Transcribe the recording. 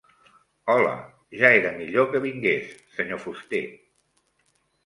Hola, ja era millor que vingués, senyor fuster.